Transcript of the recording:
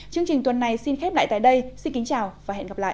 chương trình tuần này xin khép lại tại đây xin kính chào và hẹn gặp lại